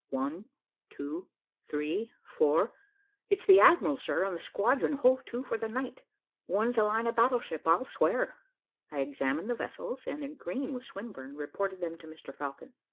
"One, two, three, four. It's the admiral, sir, and the squadron hove to for the night. One's a line of battle ship, I'll swear." I examined the vessels, and agreeing with Swinburne, reported them to Mr Falcon.